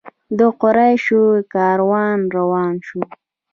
د قریشو کاروان روان شو.